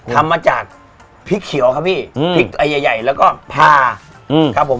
ทำมาจากพริกเขียวครับพี่พริกไอใหญ่ใหญ่แล้วก็พาครับผม